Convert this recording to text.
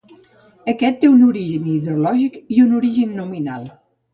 Aquest té un origen hidrològic i un origen nominal.